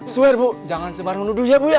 swear bu jangan sembarang nuduh ya bu ya